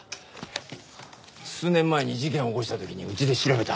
数年前に事件を起こした時にうちで調べた。